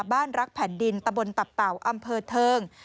บ้านรักแผ่นดินตะบนตับเต่าอำเภอเทิง